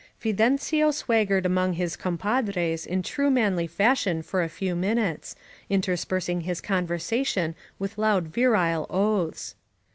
Fidencio swaggered among his compadres in true manly fashion for a few minutes, interspersing his conversation with loud virile oaths.